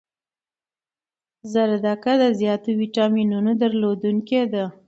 زردکه د زیاتو ویټامینونو درلودنکی ده